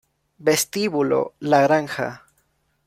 Vestíbulo La Granja